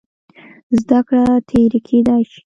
زده کړه ترې کېدای شي.